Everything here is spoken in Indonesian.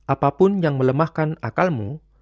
apapun yang melemahkan akalmu